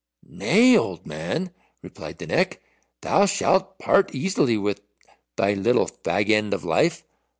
"Nay, old man," replied the Neck, "thou shalt part easily with thy little fag end of life.